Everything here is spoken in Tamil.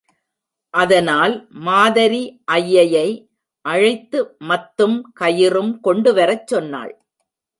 அதனால் மாதரி ஐயையை அழைத்து மத்தும் கயிறும் கொண்டு வரச் சொன்னாள்.